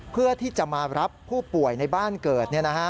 เพื่อที่จะมารับผู้ป่วยในบ้านเกิด